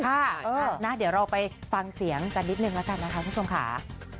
ค่ะเออน่ะเดี๋ยวเราไปฟังเสียงกันนิดนึงแล้วกันนะครับคุณชมค่ะ